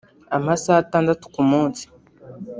amasaha atandatu ku munsi